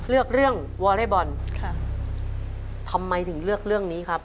เรื่องวอเรย์บอลค่ะทำไมถึงเลือกเรื่องนี้ครับ